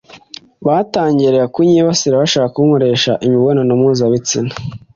batangiraga kunyibasira bashaka kunkoresha imibonano mpuzabitsina